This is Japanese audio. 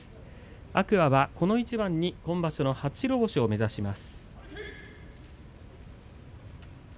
天空海はこの一番に今場所の初白星を目指します。